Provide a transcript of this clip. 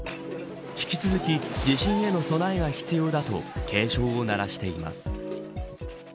引き続き地震への備えが必要だと警鐘を鳴らしています。